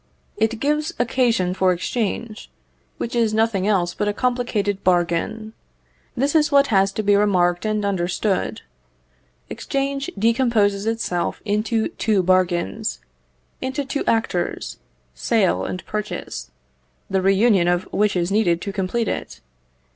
It gives occasion for exchange, which is nothing else but a complicated bargain. This is what has to be remarked and understood. Exchange decomposes itself into two bargains, into two actors, sale and purchase, the reunion of which is needed to complete it.